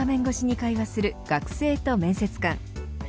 越しに会話する学生と面接官。